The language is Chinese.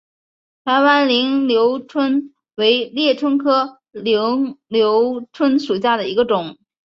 台湾菱瘤蝽为猎蝽科菱瘤蝽属下的一个种。